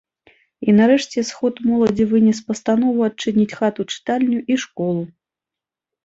І нарэшце сход моладзі вынес пастанову адчыніць хату-чытальню і школу.